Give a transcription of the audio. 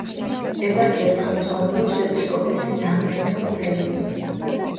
ეპარქიას ხელმძღვანელობს ეპისკოპოსი დამიანე ხუფენია.